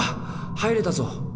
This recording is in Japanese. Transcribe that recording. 入れたぞ！